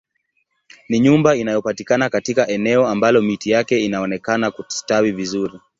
Ni nyumba inayopatikana katika eneo ambalo miti yake inaonekana kustawi vizuri